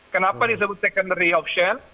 kenapa disebut secondary option